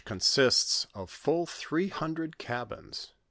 25 consists of fall three hundred cabins.